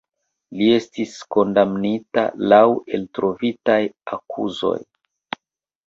Li estis kondamnita laŭ eltrovitaj akuzoj.